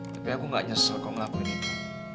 tapi aku gak nyesel kau ngelakuin itu